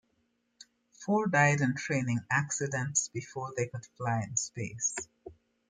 Four died in training accidents before they could fly in space.